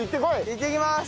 いってきます！